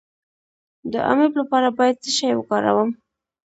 د امیب لپاره باید څه شی وکاروم؟